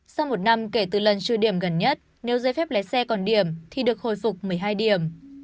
sau một năm kể từ lần trừ điểm gần nhất nếu giấy phép lái xe còn điểm thì được hồi phục một mươi hai điểm